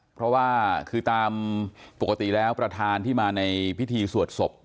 เพราะว่าคือตามปกติแล้วประธานที่มาในพิธีสวดศพ